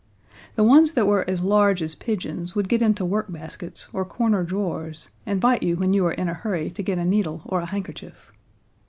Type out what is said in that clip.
The ones that were as large as pigeons would get into workbaskets or corner drawers and bite you when you were in a hurry to get a needle or a handkerchief.